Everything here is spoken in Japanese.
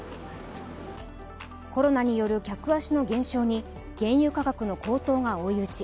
コロナによる客足の減少に原油価格の高騰が追い打ち。